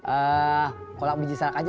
eee kolak biji sarak aja ya